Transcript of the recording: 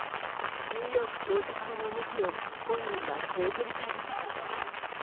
ニューヨーク到着後の動きを本人はこう振り返ります。